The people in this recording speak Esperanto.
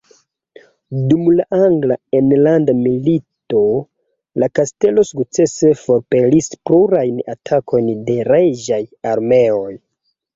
Dum la angla enlanda milito la kastelo sukcese forpelis plurajn atakojn de reĝaj armeoj.